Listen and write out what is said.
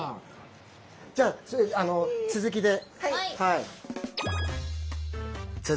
じゃあ次続きで。